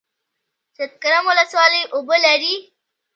سید کرم ولسوالۍ اوبه لري؟